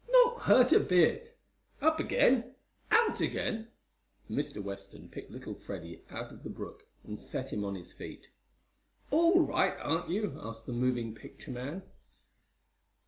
Not hurt a bit! Up again! Out again!" and Mr. Weston picked little Freddie out of the brook, and set him on his feet. "All right, aren't you?" asked the moving picture man.